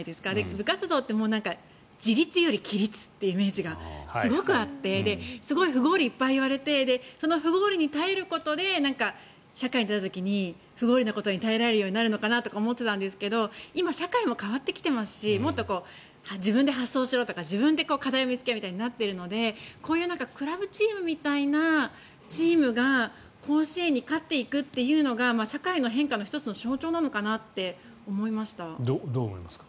部活動って自立より規律というイメージがすごくあってすごい不合理いっぱい言われてその不合理に耐えることで社会に出た時に不合理なことに耐えられるようになるのかなとか思ってたんですが今、社会も変わってきていますしもっと自分で発想しろとか自分で課題を見つけろってなっているので、こういうクラブチームみたいなチームが甲子園に勝っていくというのが社会の変化の１つのどう思いますか？